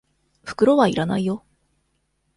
袋は要らないよ。